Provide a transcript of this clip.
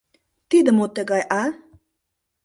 — Тиде мо тыгай, а?